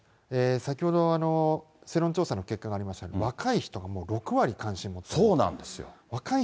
先ほど、世論調査の結果がありましたが、若い人がもう６割関心を持っていない。